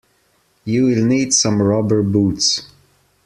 You will need some rubber boots.